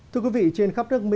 thưa quý vị trên khắp nước mỹ